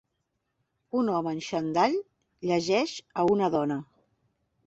Un home en xandall llegeix a una dona.